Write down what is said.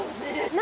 何？